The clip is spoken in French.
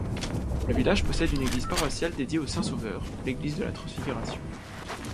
Le village possède une église paroissiale dédiée au Saint-Sauveur, l'église de la Transfiguration.